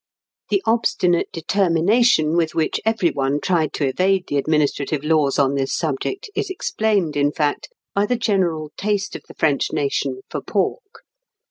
The obstinate determination with which every one tried to evade the administrative laws on this subject, is explained, in fact, by the general taste of the French nation for pork.